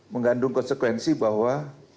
menggandung konsekuensi bahwa